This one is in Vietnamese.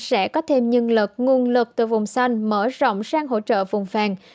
sẽ có thêm nhân lực nguồn lực từ vùng xanh mở rộng sang hỗ trợ vùng phàng